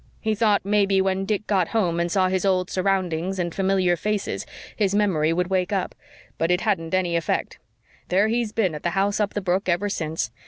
He thought maybe when Dick got home and saw his old surroundings and familiar faces his memory would wake up. But it hadn't any effect. There he's been at the house up the brook ever since.